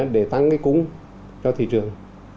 để tăng cái cúng cho thị trường